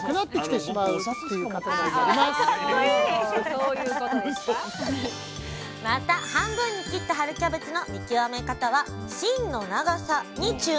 それ以上また半分に切った春キャベツの見極め方は芯の長さに注目！